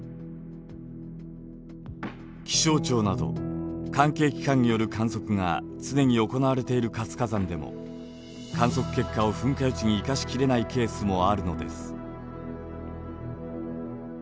気象庁など関係機関による観測が常に行われている活火山でも観測結果を噴火予知に生かしきれないケースもあるのです。